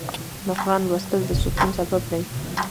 د قرآن لوستل د سکون سبب دی.